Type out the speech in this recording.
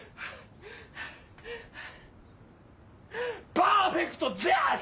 パーフェクトジャッジ！